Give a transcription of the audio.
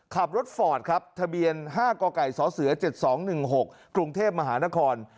ขับรถฟอร์ตครับทะเบียน๕กไก่สเส๗๒๑๖กรุงเทพมหานคร